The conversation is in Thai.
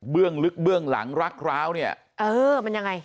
ลึกเบื้องหลังรักร้าวเนี่ยเออมันยังไง